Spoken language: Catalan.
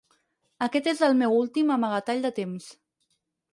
Aquest és el meu últim amagatall de temps.